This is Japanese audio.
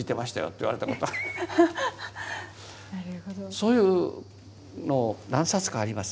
そういうの何冊かあります。